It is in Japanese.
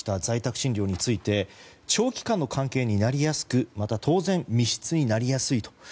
在宅診療について長期間の関係になりやすくまた当然、密室になりやすい。